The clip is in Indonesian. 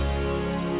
kamu mau kemana